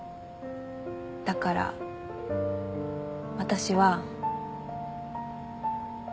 だから私は。